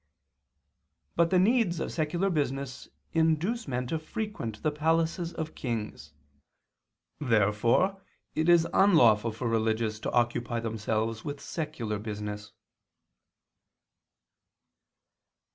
But the needs of secular business induce men to frequent the palaces of kings. Therefore it is unlawful for religious to occupy themselves with secular business.